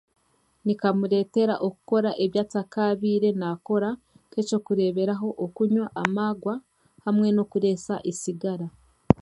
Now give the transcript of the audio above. Nikamureetera kumureetera okukora ebi atakaabaire naakora nk'ekyokureeberaho okunywa amagwa hamwe n'okureesa sigara